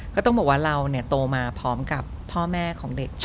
ก็ต้องบอกว่าเราโตมาพร้อมกับพ่อแม่ของเด็ก